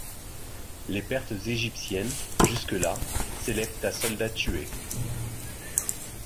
Les pertes égyptiennes jusque-là s'élèvent à soldats tués.